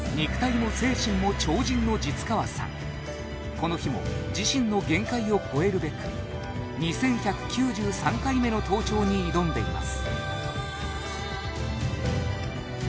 この日も自身の限界を超えるべく２１９３回目の登頂に挑んでいます